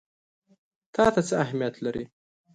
تا ته څه اهمیت لري؟